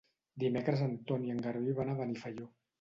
Dimecres en Ton i en Garbí van a Benifaió.